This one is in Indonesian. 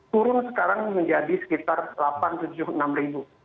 turun sekarang menjadi sekitar delapan tujuh enam